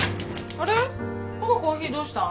このコーヒーどうしたん？